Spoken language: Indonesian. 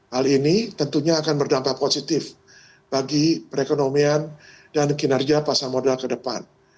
hal ini tentunya akan berdampak positif bagi perekonomian dan kinerja pasar modal ke depan